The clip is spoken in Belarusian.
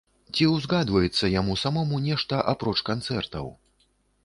Ці ўзгадваецца яму самому нешта, апроч канцэртаў?